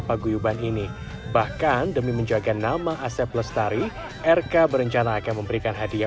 paguyuban ini bahkan demi menjaga nama asep lestari rk berencana akan memberikan hadiah